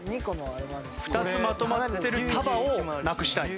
２つまとまってる束をなくしたい。